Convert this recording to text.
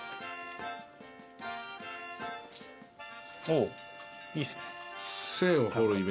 おいいっすね。